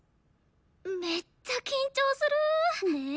めっちゃ緊張する。ね。